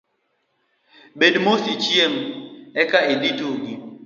Bed mos ichiem eka idhi itugi.